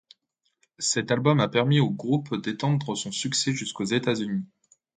Cet album a permis au groupe d'étendre son succès jusqu'aux États-Unis.